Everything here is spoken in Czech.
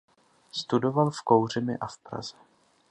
Studoval v Kouřimi a v Praze.